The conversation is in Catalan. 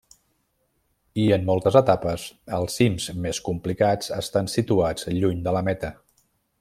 I, en moltes etapes, els cims més complicats estan situats lluny de la meta.